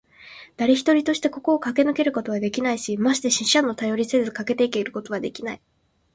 だれ一人としてここをかけ抜けることはできないし、まして死者のたよりをたずさえてかけ抜けることはできない。